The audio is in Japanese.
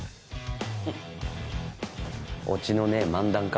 フッオチのねえ漫談か？